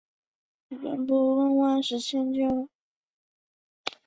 担任山东省农业厅厅长。